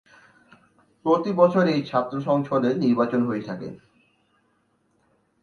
প্রতি বছর এই ছাত্র সংসদে নির্বাচন হয়ে থাকে।